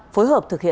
phối hợp thực hiện